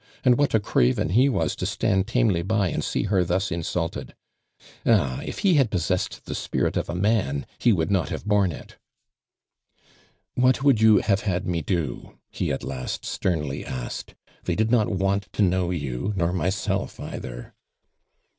— And what a craven he was to stand tamely by and see her thus insulted. Ah I if he had possessed the spirit of a man he would not have borne it. 68 ARMAND DURAND. T "What would you have hnd me do?" he at last Btemly asktd. "They did not want to know you nor myself either."